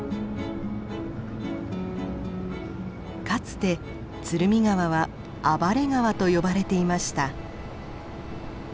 かつて鶴見川は「暴れ川」と呼ばれていました。